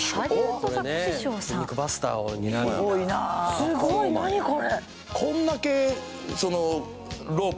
すごい何これ？